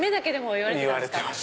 言われてました。